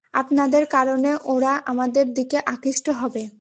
আপনাদের কারণে ওরা আমাদের দিকে আকৃষ্ট হবে।